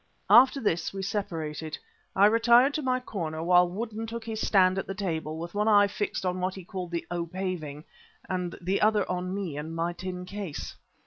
After this we separated. I retired into my corner, while Woodden took his stand by the table, with one eye fixed on what he called the "O. Paving" and the other on me and my tin case.